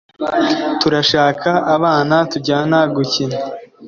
turashaka abana tujyana gukina